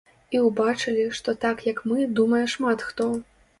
І ўбачылі, што так, як мы, думае шмат хто.